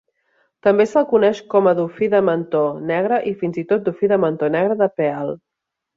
També se'l coneix com a dofí de mentó negre o fins i tot dofí de mentó negre de Peale.